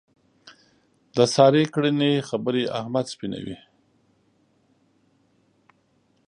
د سارې کړنې خبرې احمد سپینوي.